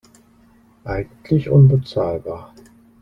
Eigentlich unbezahlbar.